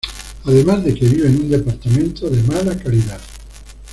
Además de que vive en un departamento de mala calidad.